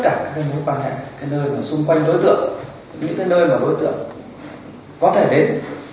giả soát tất cả các nơi quan hệ các nơi xung quanh đối tượng những nơi mà đối tượng có thể đến